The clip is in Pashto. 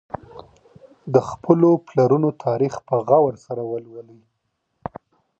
د خپلو پلرونو تاريخ په غور سره ولولئ.